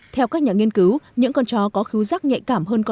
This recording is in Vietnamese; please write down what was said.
theo các nhà nghiên cứu những con chó có khứ giác nhạy cảm hơn con chó